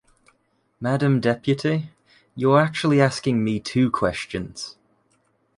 Madam Deputy, you’re actually asking me two questions.